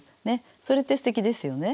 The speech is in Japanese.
それってすてきですよね。